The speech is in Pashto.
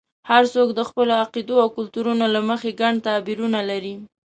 هر څوک د خپلو عقیدو او کلتورونو له مخې ګڼ تعبیرونه لري.